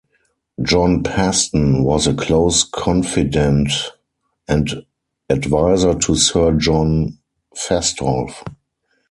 John Paston was a close confidante and advisor to Sir John Fastolf.